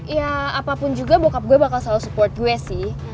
ya apapun juga bokap gue bakal selalu support due sih